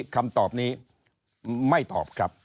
คำตอบนี้ไม่ตอบครับ